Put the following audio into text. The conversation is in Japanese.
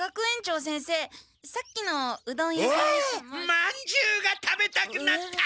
まんじゅうが食べたくなった！